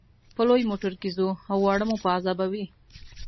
په لوی موټر کې ځو او واړه مو په عذابوي.